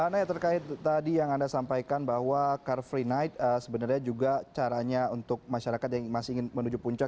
naya terkait tadi yang anda sampaikan bahwa car free night sebenarnya juga caranya untuk masyarakat yang masih ingin menuju puncak